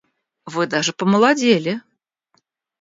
Вы даже помолодели.